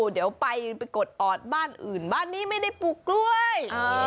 เดี๋ยวไปกดออดบ้านอื่นบ้านนี้ไม่ได้ปลูกกล้วย